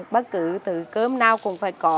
bất cứ từ cơm nào cũng phải có